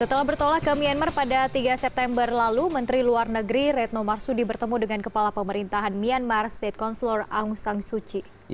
setelah bertolak ke myanmar pada tiga september lalu menteri luar negeri retno marsudi bertemu dengan kepala pemerintahan myanmar state concelor aung san suci